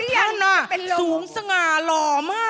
ที่จะเป็นความสุขของชาวบ้าน